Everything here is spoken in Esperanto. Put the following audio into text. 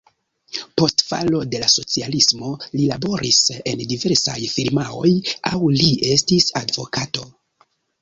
Post falo de la socialismo li laboris en diversaj firmaoj, aŭ li estis advokato.